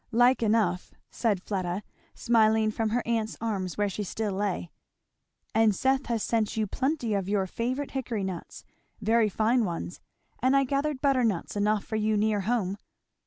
"Like enough," said Fleda, smiling, from her aunt's arms where she still lay. "And Seth has sent you plenty of your favourite hickory nuts, very fine ones; and I gathered butternuts enough for you near home."